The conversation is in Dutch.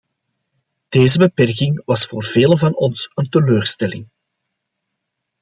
Deze beperking was voor velen van ons een teleurstelling.